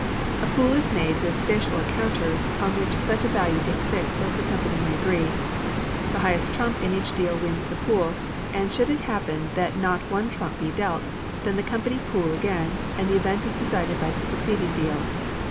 A pool is made with fish or counters, on which such a value is fixed as the company may agree. The highest trump in each deal wins the pool; and should it happen that not one trump be dealt, then the company pool again, and the event is decided by the succeeding deal.